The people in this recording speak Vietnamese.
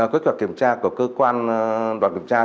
kết quả kiểm tra của cơ quan đoàn kiểm tra